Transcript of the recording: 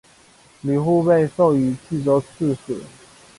吕护被授予冀州刺史。